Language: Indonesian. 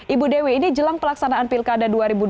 ibu dewi ini jelang pelaksanaan pilkada dua ribu dua puluh